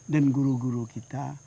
dan guru guru kita